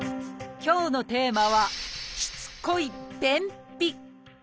今日のテーマはしつこい「便秘」。